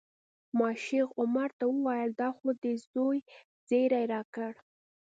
ما شیخ عمر ته وویل دا خو دې د زوی زیری راکړ.